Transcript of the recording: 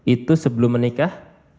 itu sebelum menikah